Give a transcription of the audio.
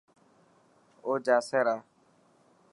اوجاسي را.